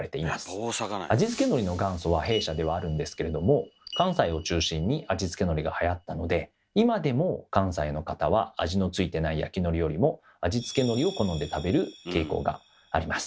味付けのりの元祖は弊社ではあるんですけれども関西を中心に味付けのりがはやったので今でも関西の方は味の付いてない焼きのりよりも味付けのりを好んで食べる傾向があります。